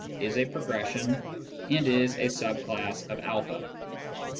is a progression, and is a sub class of a.